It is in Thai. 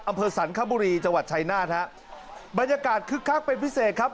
อำเภอสรรคบุรีจังหวัดชายนาฏฮะบรรยากาศคึกคักเป็นพิเศษครับ